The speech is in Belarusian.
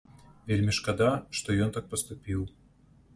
Вельмі шкада, што ён так паступіў.